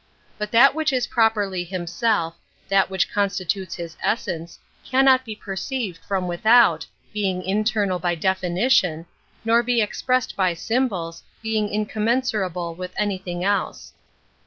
But that which is properly himself, that which constitutes his essence, cannot 1k^ perceived from without, being internal by definition, nor t)e expressed by Myiubols, being incom mensurable with everything else.